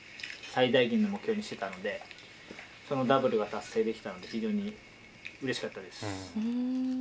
最大限の目標にしてたのでそのダブルが達成できたので非常にうれしかったです。